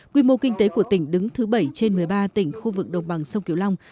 quy mô kinh tế của tỉnh đứng thứ bảy trên một mươi ba tỉnh khu vực đồng bằng sông kiều long